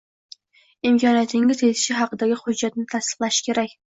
imkoniyatingiz yetishi haqidagi hujjatni tasdiqlashi kerak.